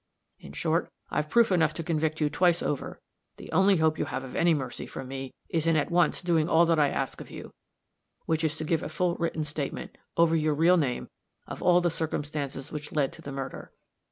In short, I've proof enough to convict you twice over. The only hope you have of any mercy from me is in at once doing all that I ask of you which is to give a full written statement, over your real name, of all the circumstances which led to the murder."